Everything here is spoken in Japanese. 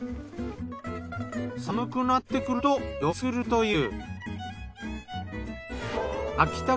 寒くなってくるとよく作るという。